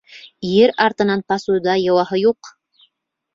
Ир артынан посуда йыуаһы юҡ!